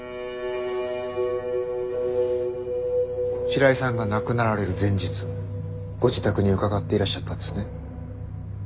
白井さんが亡くなられる前日ご自宅に伺っていらっしゃったんですね。